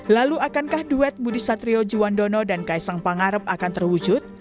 lalu akankah duet budi satrio juwandono dan kaisang pangarep akan terwujud